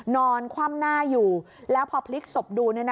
นอนคว่ำหน้าอยู่แล้วพอพลิกศพดู